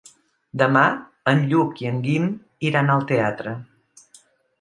Demà en Lluc i en Guim iran al teatre.